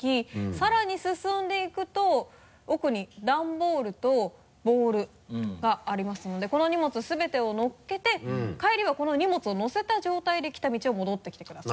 さらに進んでいくと奥にダンボールとボールがありますのでこの荷物全てを乗っけて帰りはこの荷物を乗せた状態で来た道を戻ってきてください。